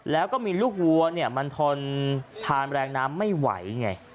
แล้วก็มีลูกวัวเนี่ยมันทนทานแรงน้ำไม่ไหวไง